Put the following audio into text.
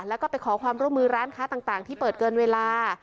แล้วก็ไปขอความร่วมมือร้านค้าต่างที่เปิดเกินเวลา